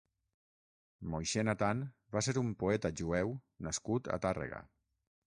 Moixé Natan va ser un poeta jueu nascut a Tàrrega.